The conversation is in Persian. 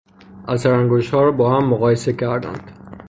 اثر انگشتها را با هم مقایسه کردند.